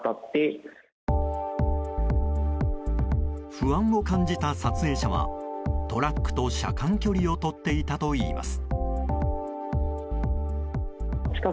不安を感じた撮影者はトラックと車間距離をとっていたといいます。